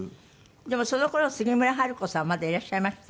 でもその頃杉村春子さんまだいらっしゃいました？